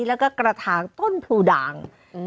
แล้วก็กระถางต้นพลูด่าง